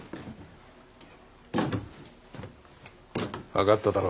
分かっただろ。